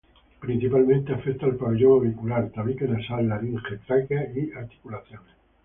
Principalmente afecta al pabellón auricular, tabique nasal, laringe, tráquea y articulaciones.